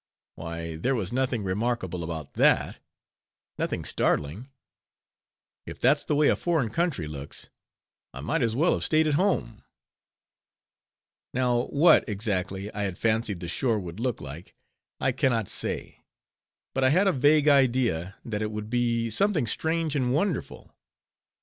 Why, there was nothing remarkable about that; nothing startling. If that's the way a foreign country looks, I might as well have staid at home. Now what, exactly, I had fancied the shore would look like, I can not say; but I had a vague idea that it would be something strange and wonderful.